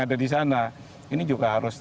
ada di sana ini juga harus